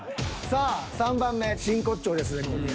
さあ３番目真骨頂ですね小宮。